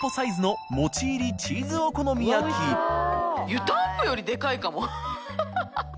湯たんぽよりでかいかも